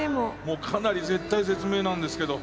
かなり絶体絶命なんですけど。